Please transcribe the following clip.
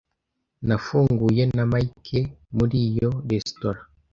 Nafunguye na Mike muri iyo resitora.